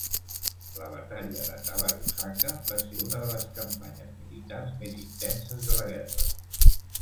La batalla de Tabaruzaka va ser una de les campanyes militars més intenses de la guerra.